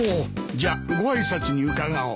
じゃご挨拶に伺おう。